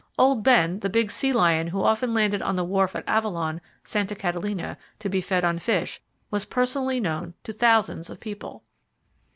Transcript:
"Old Ben," the big sea lion who often landed on the wharf at Avalon, Santa Catalina, to be fed on fish, was personally known to thousands of people.